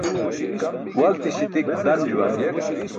Walti śitik dan juwan